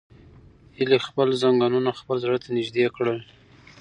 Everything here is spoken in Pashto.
هیلې خپل زنګونونه خپل زړه ته نږدې کړل.